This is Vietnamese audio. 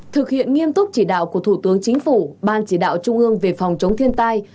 thực hiện nghiêm túc chỉ đạo của thủ tướng chính phủ ban chỉ đạo trung ương về phòng chống thiên tai